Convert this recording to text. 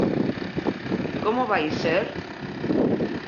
Como vai ser?